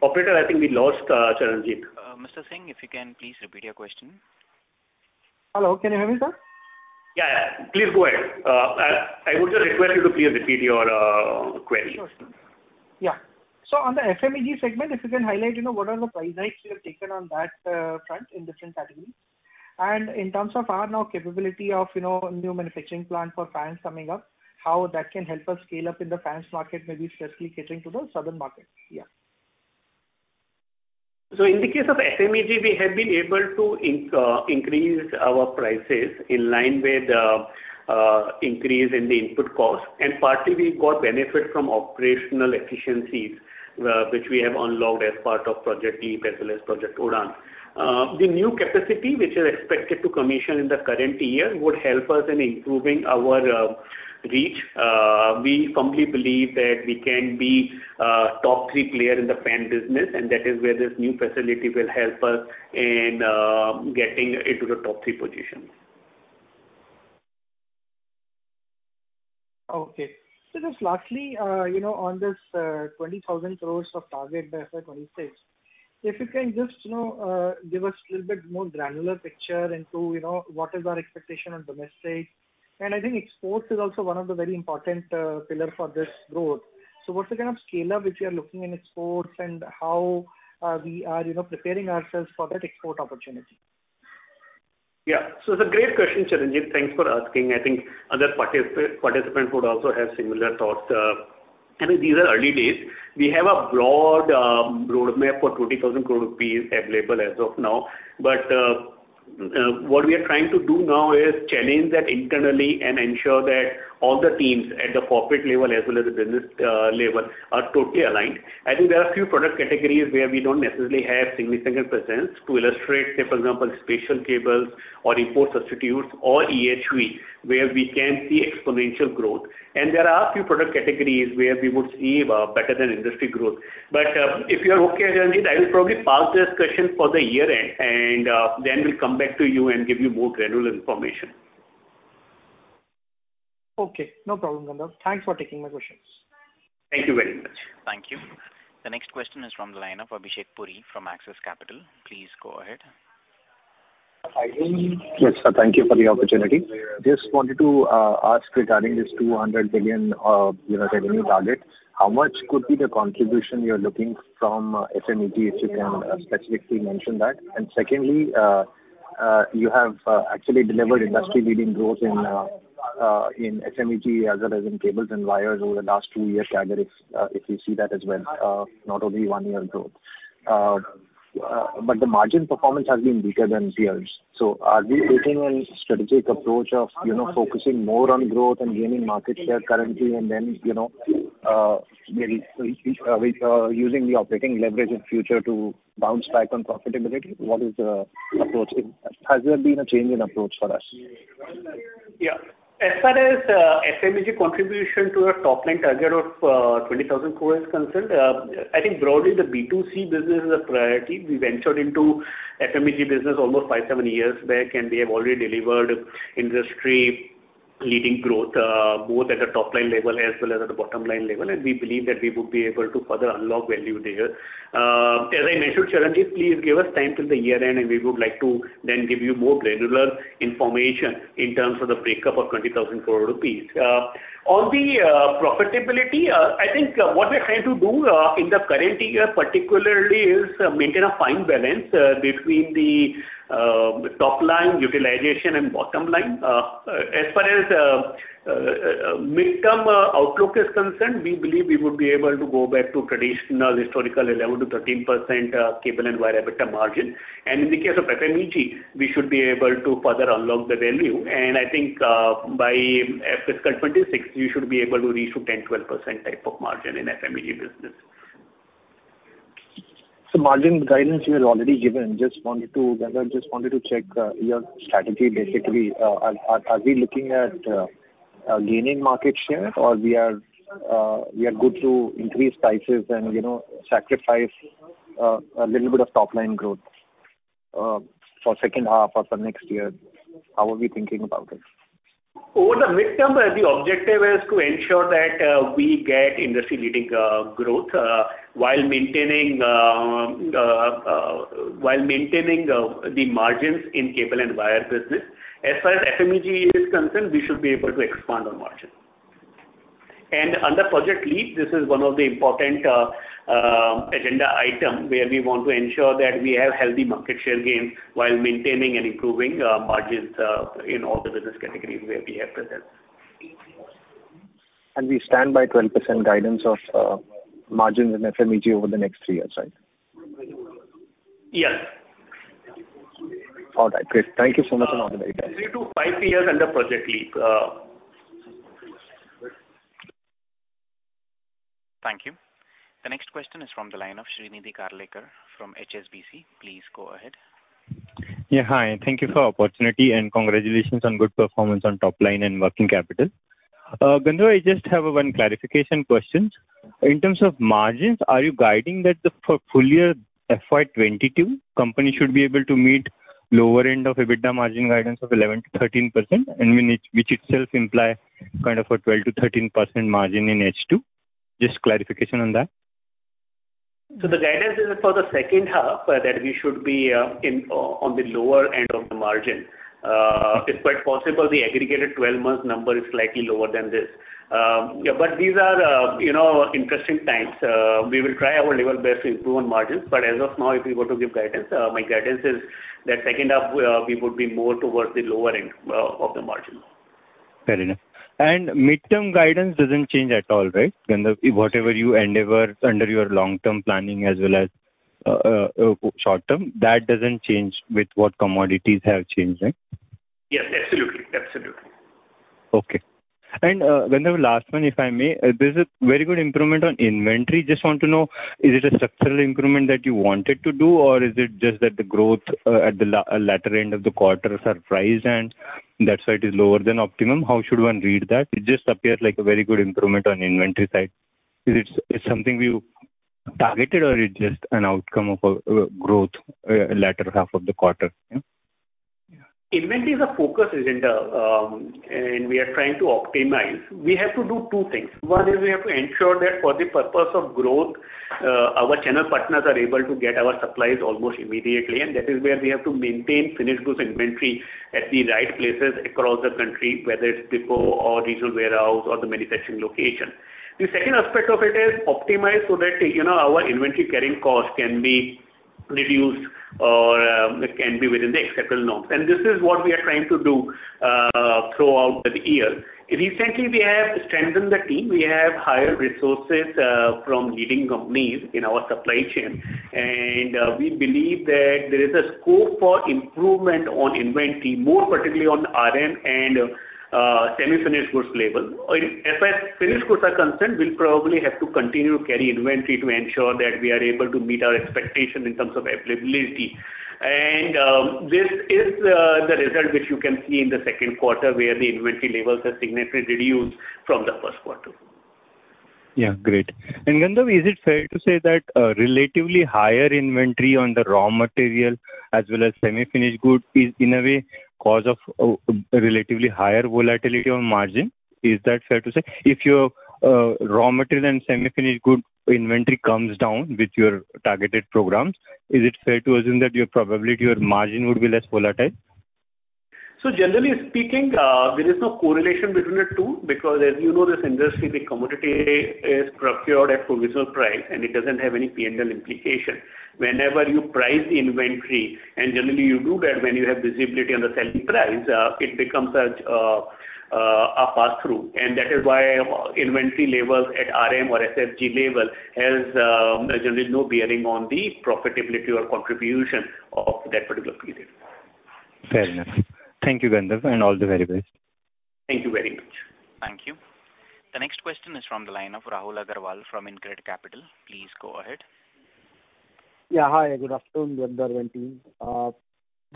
Operator, I think we lost Charanjit. Mr. Singh, if you can please repeat your question. Hello, can you hear me, sir? Please go ahead. I would just request you to please repeat your query. Sure, sir. Yeah. On the FMEG segment, if you can highlight, what are the price hikes you have taken on that front in different categories? In terms of our now capability of new manufacturing plant for fans coming up, how that can help us scale up in the fans market, maybe specifically catering to the southern market? In the case of FMEG, we have been able to increase our prices in line with the increase in the input cost, and partly we got benefit from operational efficiencies, which we have unlocked as part of Project LEAP as well as Project Udaan. The new capacity, which is expected to commission in the current year, would help us in improving our reach. We firmly believe that we can be a top three player in the fan business, and that is where this new facility will help us in getting into the top three positions. Okay. Sir, just lastly, on this ₹20,000 crores of target by FY26, if you can just give us a little bit more granular picture into what is our expectation on domestic. I think exports is also one of the very important pillar for this growth. What's the kind of scale-up which we are looking in exports and how we are preparing ourselves for that export opportunity? Yeah. It's a great question, Charanjit. Thanks for asking. I think other participants would also have similar thoughts. I mean, these are early days. We have a broad roadmap for 20,000 crore rupees available as of now. What we are trying to do now is challenge that internally and ensure that all the teams at the corporate level as well as the business level are totally aligned. I think there are a few product categories where we don't necessarily have significant presence. To illustrate, say, for example, special cables or import substitutes or EHV, where we can see exponential growth. There are a few product categories where we would see better than industry growth. If you are okay, Charanjit, I will probably park this question for the year-end, and then we'll come back to you and give you more granular information. Okay. No problem, Gandharv. Thanks for taking my questions. Thank you very much. Thank you. The next question is from the line of Abhishek Puri from Axis Capital. Please go ahead. Yes, sir. Thank you for the opportunity. Just wanted to ask regarding this 200 billion revenue target, how much could be the contribution you're looking from FMEG, if you can specifically mention that. Secondly, you have actually delivered industry-leading growth in FMEG as well as in cables and wires over the last two years, aggregate, if we see that as well, not only one year growth. The margin performance has been weaker than peers. Are we taking a strategic approach of focusing more on growth and gaining market share currently, and then using the operating leverage in future to bounce back on profitability? What is the approach? Has there been a change in approach for us? Yeah. As far as FMEG contribution to our top-line target of 20,000 crore is concerned, I think broadly the B2C business is a priority. We ventured into FMEG business almost five, seven years back, and we have already delivered industry-leading growth, both at the top line level as well as at the bottom line level, and we believe that we would be able to further unlock value there. As I mentioned, Charanjit, please give us time till the year-end, and we would like to then give you more granular information in terms of the breakup of 20,000 crore rupees. On the profitability, I think what we're trying to do in the current year, particularly, is maintain a fine balance between the top line utilization and bottom-line. As far as mid-term outlook is concerned, we believe we would be able to go back to traditional historical 11%-13% cable and wire EBITDA margin. In the case of FMEG, we should be able to further unlock the value. I think by fiscal 2026, we should be able to reach to 10%-12% type of margin in FMEG business. Margin guidance you have already given. Gandharv, just wanted to check your strategy basically. Are we looking at gaining market share or we are good to increase prices and sacrifice a little bit of top line growth for second half or for next year? How are we thinking about it? Over the mid-term, the objective is to ensure that we get industry-leading growth while maintaining the margins in cable and wire business. As far as FMEG is concerned, we should be able to expand on margin. Under Project LEAP, this is one of the important agenda item where we want to ensure that we have healthy market share gains while maintaining and improving margins in all the business categories where we have presence. We stand by 12% guidance of margins in FMEG over the next three years, right? Yes. All right, great. Thank you so much and have a great day. Three to five years under Project LEAP. Thank you. The next question is from the line of Shrinidhi Karlekar from HSBC. Please go ahead. Yeah. Hi, and thank you for the opportunity, and congratulations on good performance on top line and working capital. Gandharv, I just have one clarification question. In terms of margins, are you guiding that for full year FY 2022. Company should be able to meet lower end of EBITDA margin guidance of 11%-13%? Which itself imply kind of a 12%-13% margin in H2. Just clarification on that. The guidance is for the second half, that we should be on the lower end of the margin. It's quite possible the aggregated 12-month number is slightly lower than this. These are interesting times. We will try our level best to improve on margins, but as of now, if we were to give guidance, my guidance is that second half, we would be more towards the lower end of the margin. Fair enough. Midterm guidance doesn't change at all, right? Gandharv, whatever you endeavor under your long-term planning as well as short-term, that doesn't change with what commodities have changed, right? Yes, absolutely. Okay. Gandharv, last one, if I may. There's a very good improvement on inventory. Just want to know, is it a structural improvement that you wanted to do, or is it just that the growth at the latter end of the quarter surprised, and that's why it is lower than optimum? How should one read that? It just appears like a very good improvement on the inventory side. Is it something you targeted, or is it just an outcome of growth latter half of the quarter? Inventory is a focus agenda, and we are trying to optimize. We have to do two things. One is we have to ensure that for the purpose of growth, our channel partners are able to get our supplies almost immediately, and that is where we have to maintain finished goods inventory at the right places across the country, whether it's depot or regional warehouse or the manufacturing location. The second aspect of it is optimize so that our inventory carrying cost can be reduced or can be within the acceptable norms. This is what we are trying to do throughout the year. Recently, we have strengthened the team. We have hired resources from leading companies in our supply chain, and we believe that there is a scope for improvement on inventory, more particularly on RM and semi-finished goods level. As far as finished goods are concerned, we'll probably have to continue to carry inventory to ensure that we are able to meet our expectation in terms of availability. This is the result which you can see in the second quarter, where the inventory levels have significantly reduced from the first quarter. Yeah, great. Gandharv, is it fair to say that relatively higher inventory on the raw material as well as semi-finished goods is, in a way, cause of relatively higher volatility on margin? Is that fair to say? If your raw material and semi-finished good inventory comes down with your targeted programs, is it fair to assume that probably your margin would be less volatile? Generally speaking, there is no correlation between the two because, as you know, this industry, the commodity is procured at provisional price, and it doesn't have any P&L implication. Whenever you price the inventory, and generally you do that when you have visibility on the selling price, it becomes a pass-through, and that is why inventory levels at RM or SFG level has generally no bearing on the profitability or contribution of that particular period. Fair enough. Thank you, Gandharv, and all the very best. Thank you very much. Thank you. The next question is from the line of Rahul Agarwal from InCred Capital. Please go ahead. Yeah, hi. Good afternoon, Gandharv and team.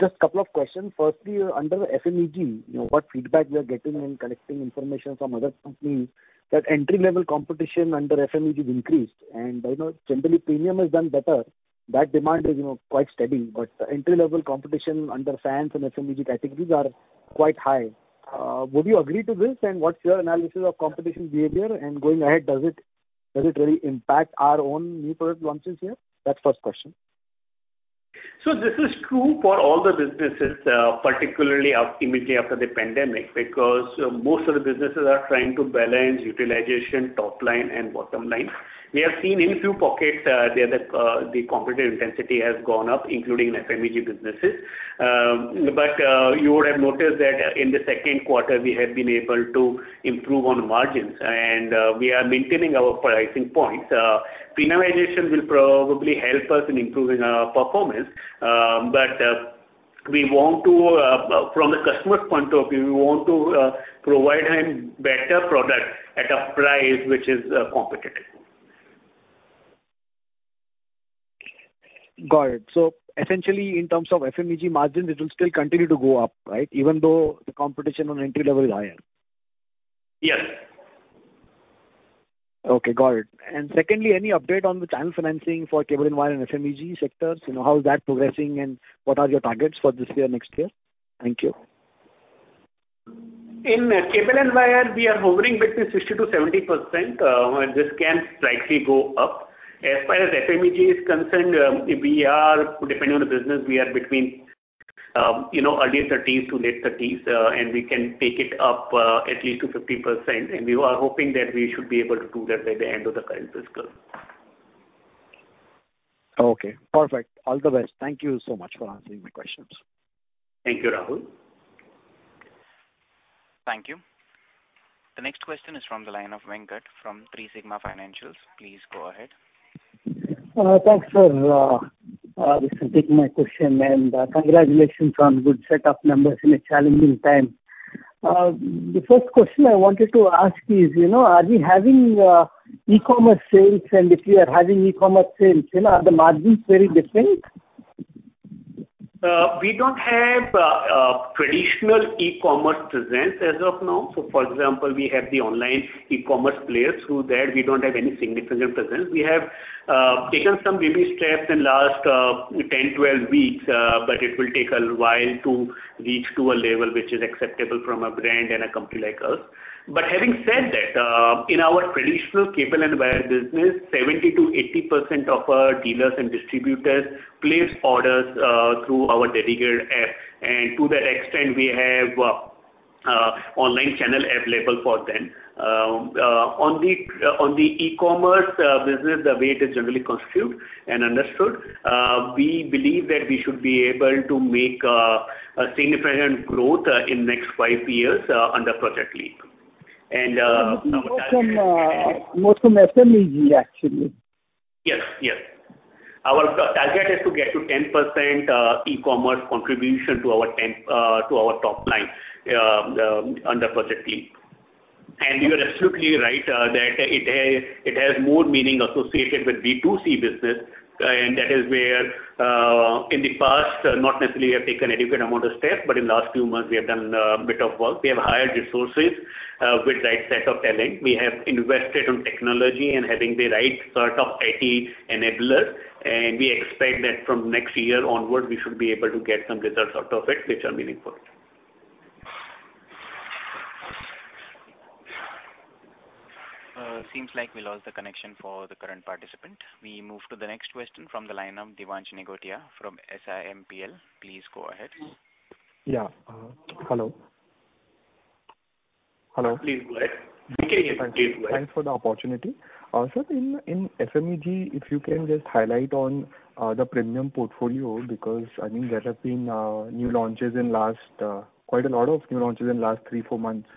Just couple of questions. Firstly, under the FMEG, what feedback you are getting and collecting information from other companies that entry-level competition under FMEG is increased and generally, premium has done better. That demand is quite steady, but entry-level competition under fans and FMEG categories are quite high. Would you agree to this, and what's your analysis of competition behavior? Going ahead, does it really impact our own new product launches here? That's first question. This is true for all the businesses, particularly ultimately after the pandemic, because most of the businesses are trying to balance utilization, top line and bottom line. We have seen in few pockets there that the competitive intensity has gone up, including FMEG businesses. You would have noticed that in the second quarter, we have been able to improve on margins, and we are maintaining our pricing points. Premiumization will probably help us in improving our performance, but from a customer's point of view, we want to provide him better product at a price which is competitive. Got it. Essentially, in terms of FMEG margins, it will still continue to go up, right? Even though the competition on entry level is higher. Yes. Okay, got it. Secondly, any update on the channel financing for cable and wire and FMEG sectors? How's that progressing and what are your targets for this year, next year? Thank you. In cable and wire, we are hovering between 60%-70%. This can slightly go up. As far as FMEG is concerned, depending on the business, we are between early 30s to late 30s, and we can take it up at least to 50%, and we are hoping that we should be able to do that by the end of the current fiscal. Okay, perfect. All the best. Thank you so much for answering my questions. Thank you, Rahul. Thank you. The next question is from the line of Venkat from 3sigma Financials. Please go ahead. Thanks for taking my question, and congratulations on good set of numbers in a challenging time. The first question I wanted to ask is, are we having e-commerce sales? If we are having e-commerce sales, are the margins very different? We don't have traditional e-commerce presence as of now. For example, we have the online e-commerce players, through there we don't have any significant presence. We have taken some baby steps in last 10, 12 weeks, it will take a while to reach to a level which is acceptable from a brand and a company like us. Having said that, in our traditional cable and wire business, 70%-80% of our dealers and distributors place orders through our dedicated app. To that extent, we have online channel available for them. On the e-commerce business, the way it is generally constituted and understood, we believe that we should be able to make a significant growth in next five years under Project LEAP. Sometime next- More from FMCG, actually. Yes. Our target is to get to 10% e-commerce contribution to our top line under Project LEAP. You are absolutely right that it has more meaning associated with B2C business, and that is where, in the past, not necessarily have taken adequate amount of steps, but in last few months, we have done a bit of work. We have hired resources with right set of talent. We have invested on technology and having the right sort of IT enablers, and we expect that from next year onward, we should be able to get some results out of it which are meaningful. Seems like we lost the connection for the current participant. We move to the next question from the line of Devansh Nigotia from SIMPL. Please go ahead. Yeah. Hello. Please go ahead. We can hear you. Please go ahead. Thanks for the opportunity. Sir, in FMEG, if you can just highlight on the premium portfolio, because I mean, there have been quite a lot of new launches in last three, four months.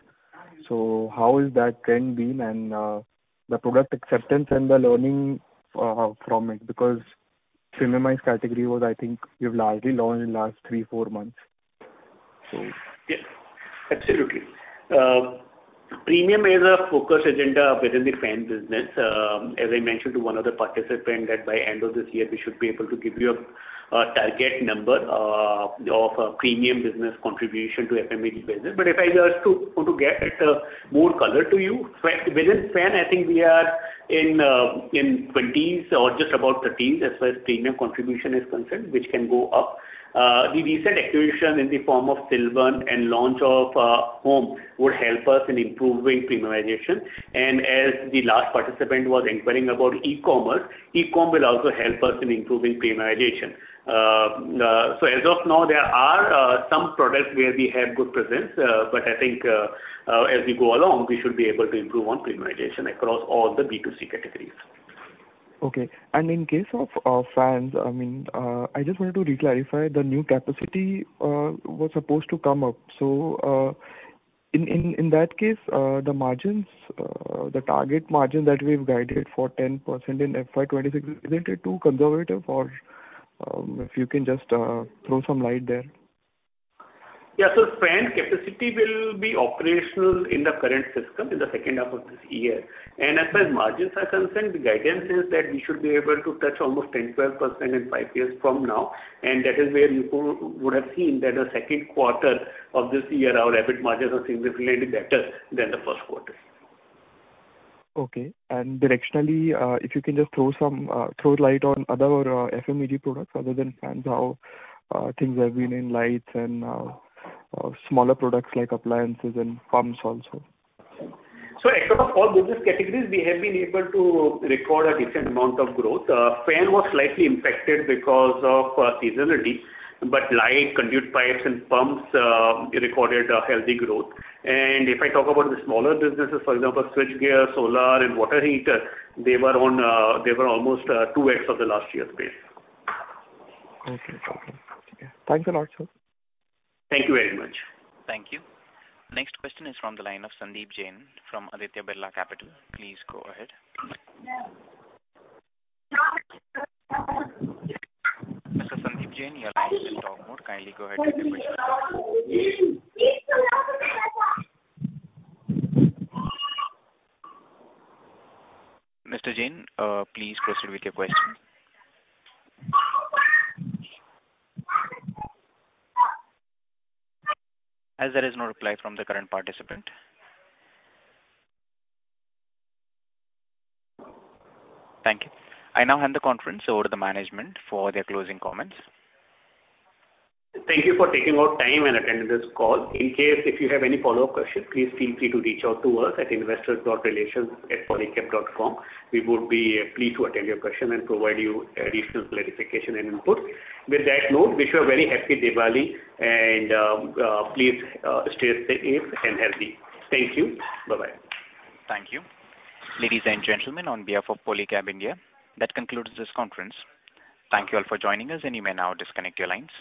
How is that trend been and the product acceptance and the learning from it, because premiumized category was, I think you've largely launched in last three, four months. Yes, absolutely. Premium is a focus agenda within the fan business. As I mentioned to one of the participant, that by end of this year, we should be able to give you a target number of premium business contribution to FMEG business. If I just to get more color to you, within fan, I think we are in 20s or just above 13 as far as premium contribution is concerned, which can go up. The recent acquisition in the form of Silvan and launch of Hohm would help us in improving premiumization. As the last participant was inquiring about e-commerce, e-com will also help us in improving premiumization. As of now, there are some products where we have good presence, but I think, as we go along, we should be able to improve on premiumization across all the B2C categories. In case of fans, I just wanted to re-clarify the new capacity was supposed to come up. In that case, the target margin that we've guided for 10% in FY 2026, isn't it too conservative? If you can just throw some light there. Yeah. Fan capacity will be operational in the current fiscal, in the second half of this year. As far as margins are concerned, the guidance is that we should be able to touch almost 10, 12% in five years from now. That is where you would have seen that the second quarter of this year, our EBITDA margins are significantly better than the first quarter. Okay. Directionally, if you can just throw light on other FMCG products other than fans, how things have been in lights and smaller products like appliances and pumps also. Across all business categories, we have been able to record a decent amount of growth. Fan was slightly impacted because of seasonality, but light, conduit pipes, and pumps recorded a healthy growth. If I talk about the smaller businesses, for example, switchgear, solar, and water heater, they were almost 2x of the last year's base. Okay. Thank you a lot, sir. Thank you very much. Thank you. Next question is from the line of Sandeep Jain from Aditya Birla Capital. Please go ahead. Mr. Sandeep Jain, your line is in talk mode. Kindly go ahead with your question. Mr. Jain, please proceed with your question. As there is no reply from the current participant. Thank you. I now hand the conference over to the management for their closing comments. Thank you for taking out time and attending this call. In case if you have any follow-up questions, please feel free to reach out to us at investors.relations@polycab.com. We would be pleased to attend your question and provide you additional clarification and input. With that note, wish you a very happy Diwali, and please stay safe and healthy. Thank you. Bye-bye. Thank you. Ladies and gentlemen, on behalf of Polycab India, that concludes this conference. Thank you all for joining us, and you may now disconnect your lines.